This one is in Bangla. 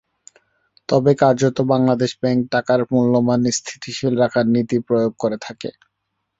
তবে কার্যত বাংলাদেশ ব্যাংক টাকার মূল্যমান স্থিতিশীল রাখার নীতি প্রয়োগ করে থাকে।